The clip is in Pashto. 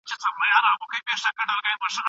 د عشق د ښاپېریو لپو لپو کې دې خدای ساته له دیوه